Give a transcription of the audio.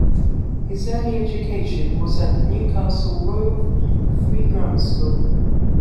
His early education was at the Newcastle Royal Free Grammar School.